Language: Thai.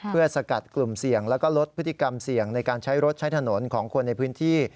เพื่อสกัดกลุ่มเสี่ยงแล้วก็ลดพฤติกรรมเสี่ยงในการใช้รถใช้ถนนของคนในพื้นที่